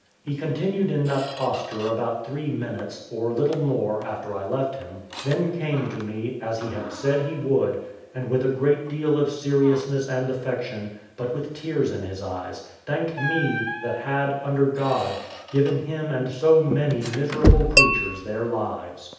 He continued in that posture about three minutes, or little more, after I left him, then came to me, as he had said he would, and with a great deal of seriousness and affection, but with tears in his eyes, thanked me, that had, under God, given him and so many miserable creatures their lives.